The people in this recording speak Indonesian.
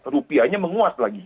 rupiahnya menguat lagi